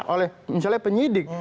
oleh misalnya penyidik